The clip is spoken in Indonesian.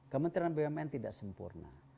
kementerian bumn tidak sempurna